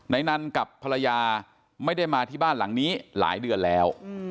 นันกับภรรยาไม่ได้มาที่บ้านหลังนี้หลายเดือนแล้ว